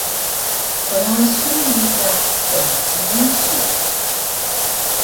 Qrasun bi ka pncingan su!